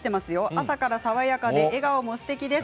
朝から爽やかで笑顔もすてきです。